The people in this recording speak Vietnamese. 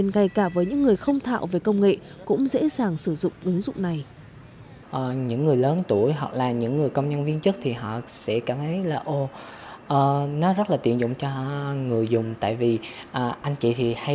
ngay cả với những người không thạo về công nghệ cũng dễ dàng sử dụng ứng dụng này